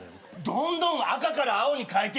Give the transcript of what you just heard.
どんどん赤から青に変えていくんだ。